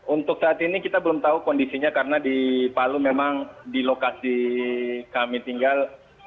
untuk saat ini kita belum tahu kondisinya karena di palu memang di lokasi kami tinggal